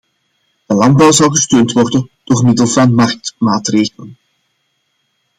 De landbouw zal gesteund worden door middel van marktmaatregelen.